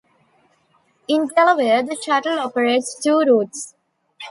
In Delaware, the shuttle operates two routes.